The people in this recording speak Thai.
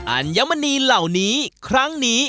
อัญมณีเหล่านี้ครั้งนี้